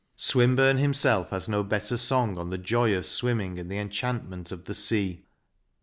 Swinburne himself has no better song on the joy of swimming and the enchantment of the sea.